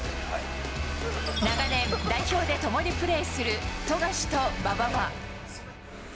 長年、代表で共にプレーする富樫と馬場は。